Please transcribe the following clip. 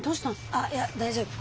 ああいや大丈夫。